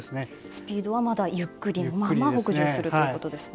スピードはまだゆっくりのまま北上するということですね。